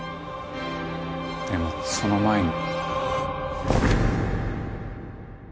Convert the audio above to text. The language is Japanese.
でもその前に。